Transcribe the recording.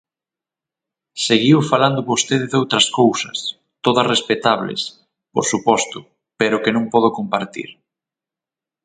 Seguiu falando vostede doutras cousas, todas respectables, por suposto, pero que non podo compartir.